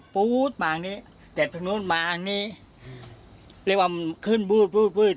ฟูตมาอันนี้จากนู้นมาอันนี้เรียกว่าขึ้นบูดบูดบูด